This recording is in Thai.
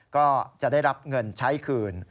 ก็จะได้รับเงินใช้คืน